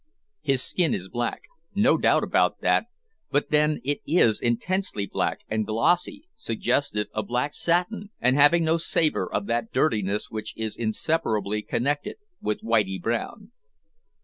His skin is black no doubt about that, but then it is intensely black and glossy, suggestive of black satin, and having no savour of that dirtiness which is inseparably connected with whitey brown.